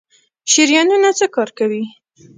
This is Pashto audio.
شریانونه څه کار کوي؟